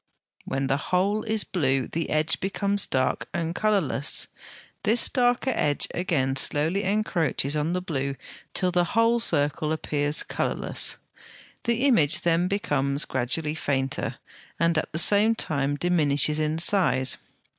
When the whole is blue the edge becomes dark and colourless. This darker edge again slowly encroaches on the blue till the whole circle appears colourless. The image then becomes gradually fainter, and at the same time diminishes in size.